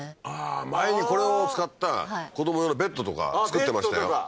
ああー前にこれを使った子供用のベッドとか作ってましたよ